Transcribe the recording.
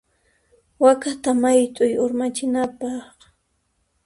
Wakata mayt'uy urmachinapaq.